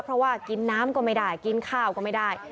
เพราะว่ากินน้ำก็ไม่ได้กินข้าวก็ไม่ได้